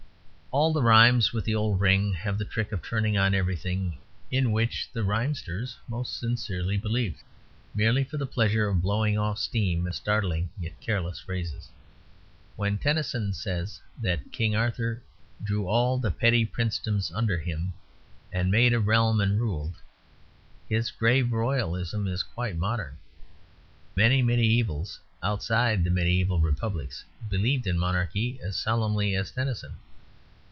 All the rhymes with the old ring have the trick of turning on everything in which the rhymsters most sincerely believed, merely for the pleasure of blowing off steam in startling yet careless phrases. When Tennyson says that King Arthur "drew all the petty princedoms under him," and "made a realm and ruled," his grave Royalism is quite modern. Many mediævals, outside the mediæval republics, believed in monarchy as solemnly as Tennyson.